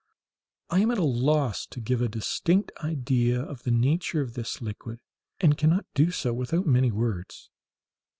I am at a loss to give a distinct idea of the nature of this liquid, and cannot do so without many words.